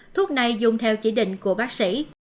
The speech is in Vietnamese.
thuốc này dùng theo chỉ định của bác sĩ